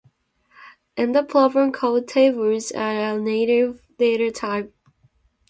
In the program code Tables are a native data type.